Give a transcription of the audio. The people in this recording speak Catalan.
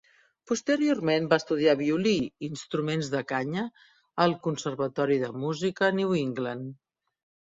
Posteriorment va estudiar violí i instruments de canya al Conservatori de Música New England.